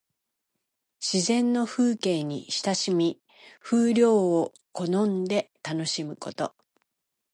自然の風景に親しみ、風流を好んで楽しむこと。